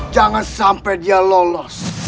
jangan sampai dia lolos